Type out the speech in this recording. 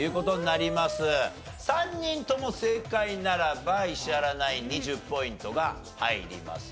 ３人とも正解ならば石原ナインに１０ポイントが入ります。